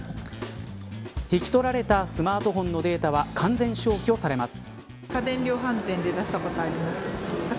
引き取られたスマートフォンのデータは完全消去されます。